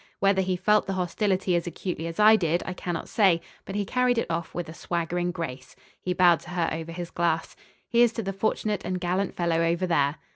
Whether he felt the hostility as acutely as I did, I cannot say; but he carried it off with a swaggering grace. He bowed to her over his glass. "Here's to the fortunate and gallant fellow over there."